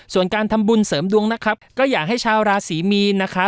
ส่วนการทำบุญเสริมดวงนะครับก็อยากให้ชาวราศีมีนนะคะ